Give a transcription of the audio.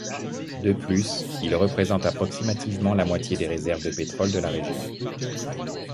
De plus, il représente approximativement la moitié des réserves de pétrole de la région.